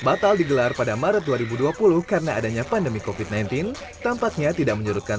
batal digelar pada maret dua ribu dua puluh karena adanya pandemi kofit sembilan belas tampaknya tidak menyurutkan